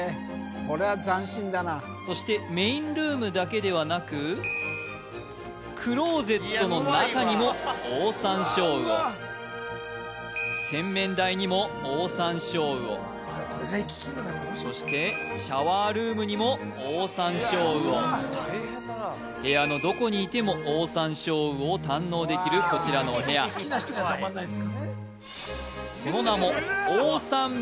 これは斬新だなそしてメインルームだけではなくクローゼットの中にもオオサンショウウオ洗面台にもオオサンショウウオそしてシャワールームにもオオサンショウウオ部屋のどこにいてもオオサンショウウオを堪能できるこちらのお部屋好きな人にはたまんないですからね